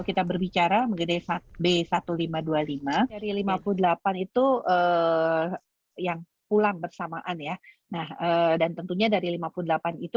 kita berbicara mengenai b seribu lima ratus dua puluh lima dari lima puluh delapan itu yang pulang bersamaan ya nah dan tentunya dari lima puluh delapan itu